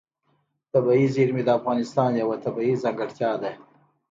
طبیعي زیرمې د افغانستان یوه طبیعي ځانګړتیا ده.